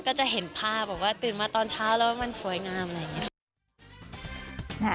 ก็จะเห็นภาพแบบว่าตื่นมาตอนเช้าแล้วมันสวยงามอะไรอย่างนี้